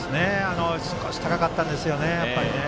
少し高かったですよね。